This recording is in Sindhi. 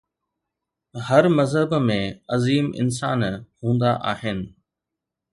هر مذهب ۾ عظيم انسان هوندا آهن.